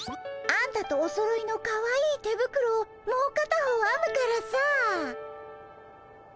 あんたとおそろいのかわいい手袋をもうかたほうあむからさ。